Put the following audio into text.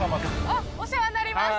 あっお世話になります。